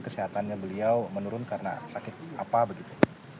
kesehatannya beliau menurun karena sakit apa begitu